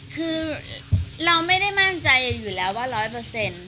คือเราไม่ได้มั่นใจอยู่แล้วว่า๑๐๐